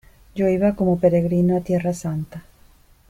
yo iba como peregrino a Tierra Santa.